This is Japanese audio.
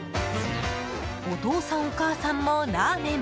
お父さんお母さんもラーメン。